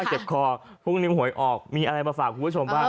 เจ็บคอพรุ่งนี้หวยออกมีอะไรมาฝากคุณผู้ชมบ้าง